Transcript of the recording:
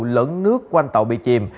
lẫn nước quanh tàu bị chìm